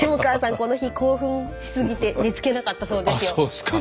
この日興奮しすぎて寝つけなかったそうですよ。